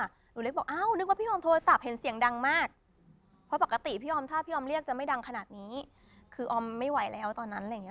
ขนลุกหมดเลยนี่ค่ะ